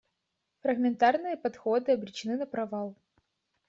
Фрагментарные подходы обречены на провал.